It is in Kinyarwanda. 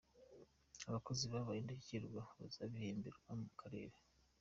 Abakozi babaye indashyikirwa bazabihemberwa Mukarere